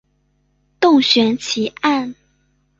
洞穴奇案。